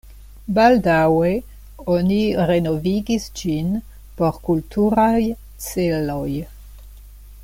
Baldaŭe oni renovigis ĝin por kulturaj celoj.